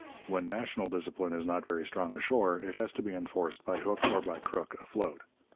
When national discipline is not very strong ashore it has to be enforced by hook or by crook afloat.